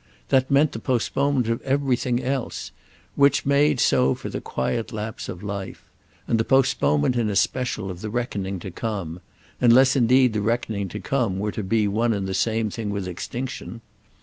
That meant the postponement of everything else—which made so for the quiet lapse of life; and the postponement in especial of the reckoning to come—unless indeed the reckoning to come were to be one and the same thing with extinction.